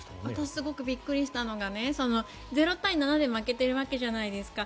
すごくびっくりしたのが０対７で負けてるわけじゃないですか。